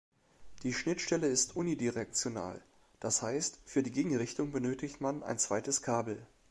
Die Schnittstelle ist unidirektional, das heißt, für die Gegenrichtung benötigt man ein zweites Kabel.